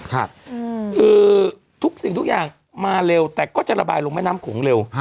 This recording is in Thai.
คือทุกสิ่งทุกอย่างมาเร็วแต่ก็จะระบายลงแม่น้ำโขงเร็ว